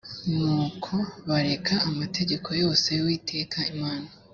nuko bareka amategeko yose y uwiteka imana